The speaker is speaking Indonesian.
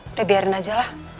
udah biarin aja lah